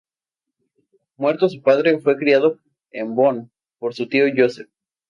Muerto su padre, fue criado en Bonn por su tío Josef.